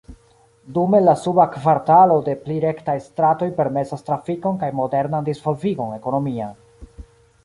Dume la suba kvartalo de pli rektaj stratoj permesas trafikon kaj modernan disvolvigon ekonomian.